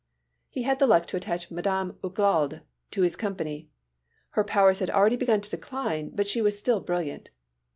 He had the luck to attach Madame Ugalde to his company. Her powers had already begun to decline but she was still brilliant.